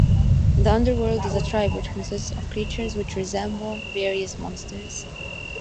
The UnderWorld is a tribe which consists of creatures which resemble various monsters.